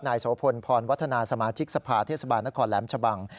โสพลพรวัฒนาสมาชิกสภาเทศบาลนครแหลมชะบัง